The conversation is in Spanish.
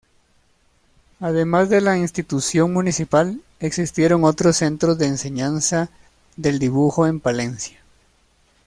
Además de la institución municipal, existieron otros centros de enseñanza del dibujo en Palencia.